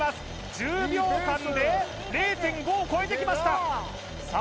１０秒間で０．５を超えてきましたさあ